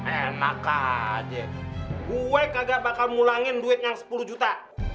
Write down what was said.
enak aja gue kagak bakal ngulangin duit yang sepuluh juta